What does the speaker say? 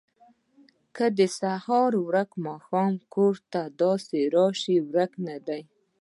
ـ که د سهار ورک ماښام کور ته راشي ورک نه دی.